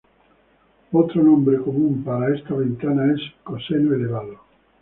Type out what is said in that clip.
Otro nombre común para esta ventana es "coseno elevado".